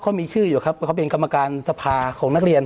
เขามีชื่ออยู่ครับว่าเขาเป็นกรรมการสภาของนักเรียน